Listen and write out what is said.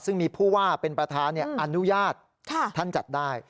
ซึ่งมีผู้ว่าเป็นประธานอนุญาตท่านจัดได้